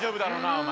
お前。